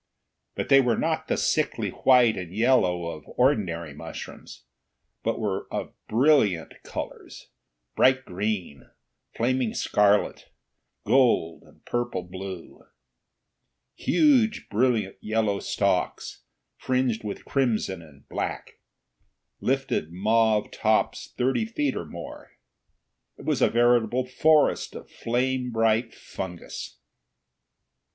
But they were not the sickly white and yellow of ordinary mushrooms, but were of brilliant colors, bright green, flaming scarlet, gold and purple blue. Huge brilliant yellow stalks, fringed with crimson and black, lifted mauve tops thirty feet or more. It was a veritable forest of flame bright fungus.